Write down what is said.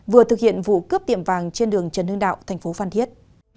vừa thực hiện vụ cướp tiệm vàng trên đường trần hương đạo tp phan thiết